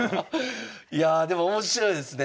いやあでも面白いですね。